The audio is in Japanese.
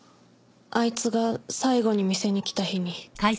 あいつが最後に店に来た日に。